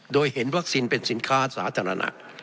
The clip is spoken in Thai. โดยเห็นวัคซีนเป็นสินค้าสาธารณะ